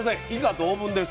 同文です。